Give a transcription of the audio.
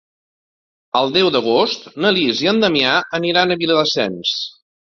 El deu d'agost na Lis i en Damià aniran a Viladasens.